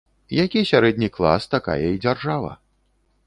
Які сярэдні клас, такая і дзяржава.